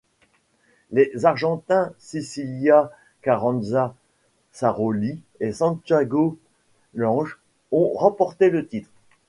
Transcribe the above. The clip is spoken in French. Les Argentins Cecilia Carranza Saroli et Santiago Lange ont remporté le titre.